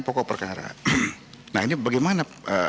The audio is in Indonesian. pokok perkara nah ini bagaimana